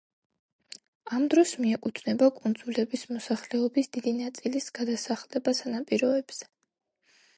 ამ დროს მიეკუთვნება კუნძულების მოსახლეობის დიდი ნაწილის გადასახლება სანაპიროებზე.